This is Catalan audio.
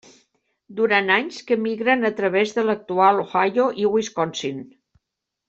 Durant anys que migren a través de l'actual Ohio i Wisconsin.